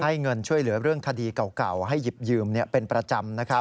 เงินช่วยเหลือเรื่องคดีเก่าให้หยิบยืมเป็นประจำนะครับ